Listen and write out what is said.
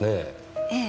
ええ。